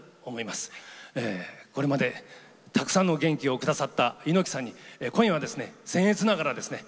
これまでたくさんの元気を下さった猪木さんに今夜はですねせん越ながらですね